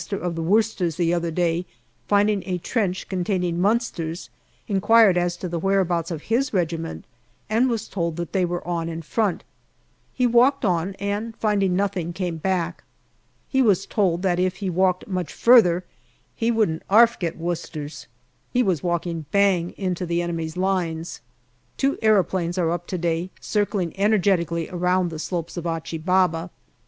of the Worcesters the other day, finding a trench containing Munsters, inquired as to the whereabouts of his regiment, and was told that they were on in front ; he walked on, and finding nothing, came back. He was told that if he walked much further " he wouldn't 'arf get Worcesters." He was walking bang into the enemy's lines. Two aeroplanes are up to day, circling energetically around the slopes of Achi Baba.